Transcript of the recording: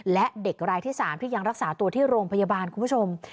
และเด็กรายที่๓ที่ยังรักษาตัวที่โรงพยาบาลคุณผู้ชม